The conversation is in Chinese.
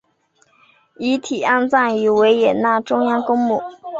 遗体安葬于维也纳中央公墓。